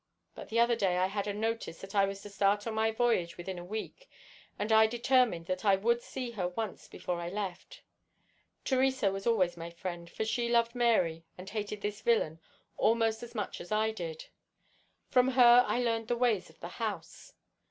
But the other day I had a notice that I was to start on my voyage within a week, and I determined that I would see her once before I left. Theresa was always my friend, for she loved Mary and hated this villain almost as much as I did. From her I learned the ways of the house.